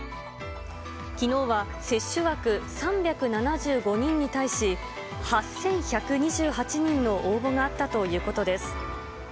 きのうは接種枠３７５人に対し、８１２８人の応募があったということです。